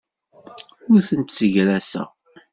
Ur tent-ssegraseɣ.